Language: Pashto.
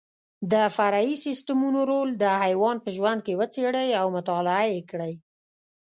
د فرعي سیسټمونو رول د حیوان په ژوند کې وڅېړئ او مطالعه یې کړئ.